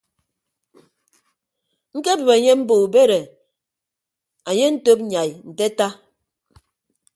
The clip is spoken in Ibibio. Ñkebịp enye mbo ubed e anye antop nyai nte ata.